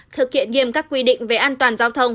thực hiện nghiêm các quy định về an toàn giao thông